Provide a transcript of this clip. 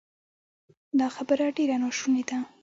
دا خبره ډېره ناشونې ده